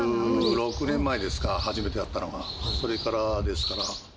３６年前ですか、初めて会ったのが、それからですから。